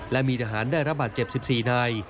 และมีทหารได้รับบาดเจ็บ๑๔นาย